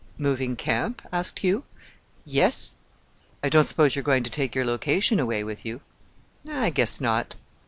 "Moving camp?" asked Hugh. "Yes." "I don't suppose you're going to take your location away with you?" "I guess not."